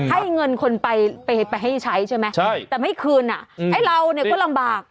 ให้เงินคนไปไปให้ใช้ใช่ไหมใช่แต่ไม่คืนอ่ะไอ้เราเนี่ยก็ลำบาก